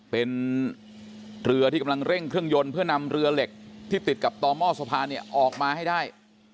เป็นเรือที่กำลังเร่งเครื่องยนต์เพื่อนำเรือเหล็กที่ติดกับต่อหม้อสะพานเนี่ยออกมาให้ได้